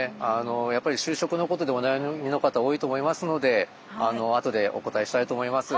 やっぱり就職のことでお悩みの方多いと思いますのであとでお答えしたいと思います。